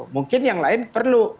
mungkin yang lain perlu